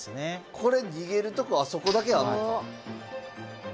これ逃げるとこあそこだけあるのか。